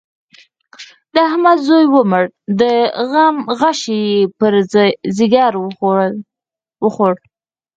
د احمد زوی ومړ؛ د غم غشی يې پر ځيګر وخوړ.